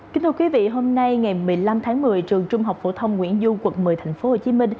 kính thưa quý vị hôm nay ngày một mươi năm tháng một mươi trường trung học phổ thông nguyễn du quận một mươi tp hcm